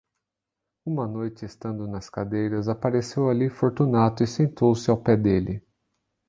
Uma noite, estando nas cadeiras, apareceu ali Fortunato, e sentou-se ao pé dele.